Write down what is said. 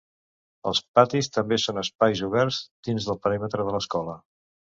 Els patis també són espais oberts dins del perímetre de l'escola.